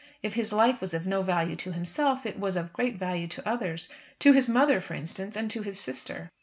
If his life was of no value to himself, it was of great value to others; to his mother, for instance, and to his sister.